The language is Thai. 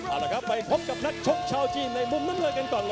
เอาละครับไปพบกับนักชกชาวจีนในมุมน้ำเงินกันก่อนเลย